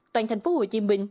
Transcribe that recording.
toàn thành phố hồ chí minh